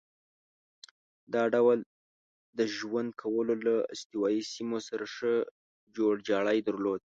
دا ډول د ژوند کولو له استوایي سیمو سره ښه جوړ جاړی درلود.